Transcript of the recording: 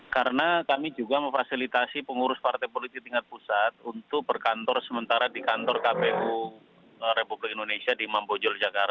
karena kami juga memfasilitasi pengurus partai politik tingkat pusat untuk berkantor sementara di kantor kpu republik indonesia di mampojol jakarta